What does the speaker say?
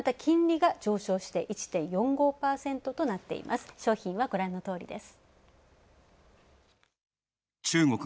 商品は、ご覧のとおりです。